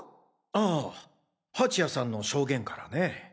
ああ蜂谷さんの証言からね。